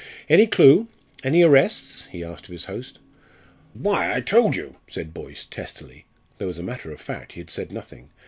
"Any clue? Any arrests?" he asked of his host. "Why, I told you," said Boyce, testily, though as a matter of fact he had said nothing.